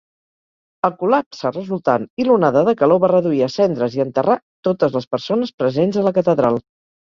El col·lapse resultant i l'onada de calor va reduir a cendres i enterrar totes les persones presents a la catedral.